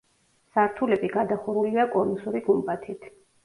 სართულები გადახურულია კონუსური გუმბათით.